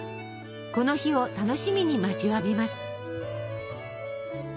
この日を楽しみに待ちわびます。